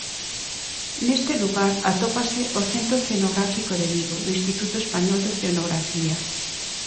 Neste lugar atópase o Centro Oceanográfico de Vigo do Instituto Español de Oceanografía.